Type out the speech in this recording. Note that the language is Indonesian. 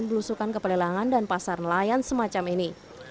menteri baru juga akan memasukkan kepelilangan dan pasar nelayan semacam ini